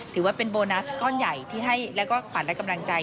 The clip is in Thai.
ถือว่าเป็นโบนัสก้อนใหญ่และกว่าและกำลังใจ